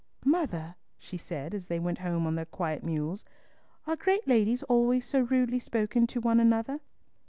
"Mother," she said, as they went home on their quiet mules, "are great ladies always so rudely spoken to one another?"